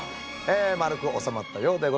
丸く収まったようでございます。